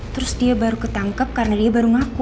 terus dia baru ketangkep karena dia baru ngaku